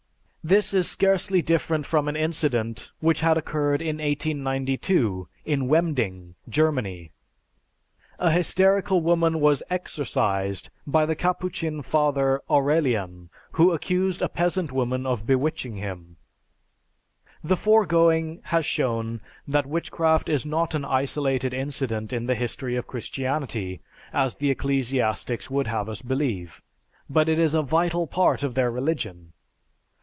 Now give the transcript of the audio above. This is scarcely different from an incident which had occurred in 1892 in Wemding, Germany: An hysterical woman was "exorcised" by the Capuchin Father Aurelian, who accused a peasant woman of bewitching him. The foregoing has shown that witchcraft is not an isolated incident in the history of Christianity, as the ecclesiastics would have us believe, but is a vital part of their religion.